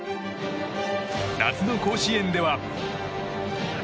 夏の甲子園では。